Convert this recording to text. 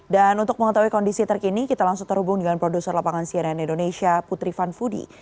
dan untuk mengetahui kondisi terkini kita langsung terhubung dengan produser lapangan cnn indonesia putri van voodie